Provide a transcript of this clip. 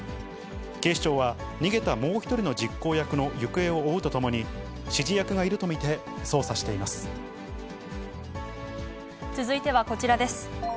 警視庁は、逃げたもう１人の実行役の行方を追うとともに、指示役がいると見続いてはこちらです。